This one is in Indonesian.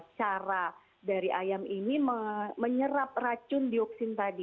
cara dari ayam ini menyerap racun dioksin tadi